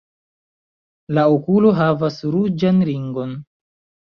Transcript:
La okulo havas ruĝan ringon.